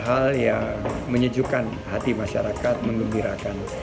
hal yang menyejukkan hati masyarakat mengembirakan